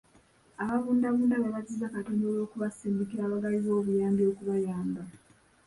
Ababundabunda b'ebaziza Katonda olw'okubasindikira abagabi b'obuyambi okubayamba.